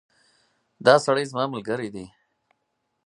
دا سړی زما ملګری ده